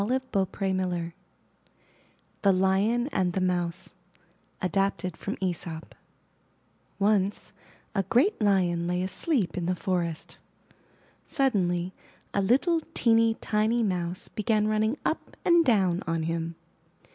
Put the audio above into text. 147 c MY BOOK HOUSE THE LION AND THE MOUSE Adapted from Aesop Once a great Lion lay asleep in the forest. Sud denly a little teeny, tiny Mouse began running up and down on him.